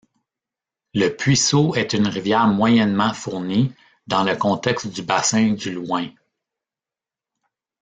Le Puiseaux est une rivière moyennement fournie dans le contexte du bassin du Loing.